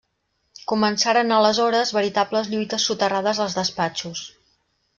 Començaren aleshores veritables lluites soterrades als despatxos.